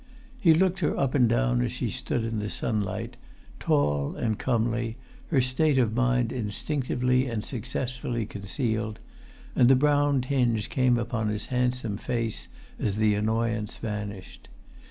He looked her up and down, as she stood in the sunlight, tall and comely, her state of mind instinctively and successfully concealed; and the brown tinge came upon his handsome face as the annoyance vanished.